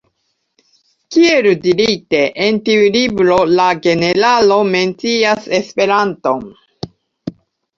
Kiel dirite, en tiu libro la generalo mencias Esperanton.